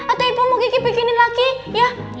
atau ibu mau gigi bikinin lagi ya